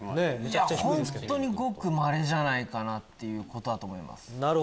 本当にごくまれじゃないかなっていうことだと思います。